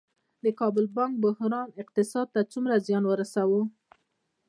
د کابل بانک بحران اقتصاد ته څومره زیان ورساوه؟